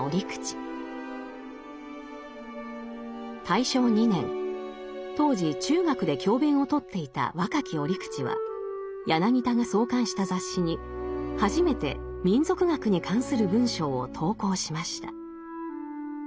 大正２年当時中学で教鞭を執っていた若き折口は柳田が創刊した雑誌に初めて民俗学に関する文章を投稿しました。